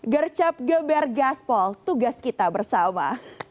gercap geber gaspol tugas kita bersama